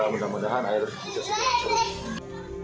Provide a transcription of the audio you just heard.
mudah mudahan air bisa sudah turun